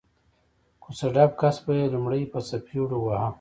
کوڅه ډب کس به یې لومړی په څپېړو واهه